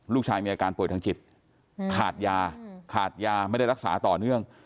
ลูกชายมีอาการป่วยทางจิตขาดยาขาดยาไม่ได้รักษาต่อเนื่อง